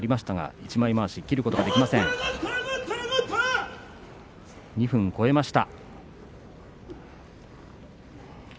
拍手２分を超えました。